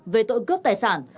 về tội cướp tài sản